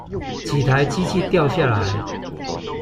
幾台機器掉下來